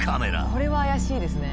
これは怪しいですね。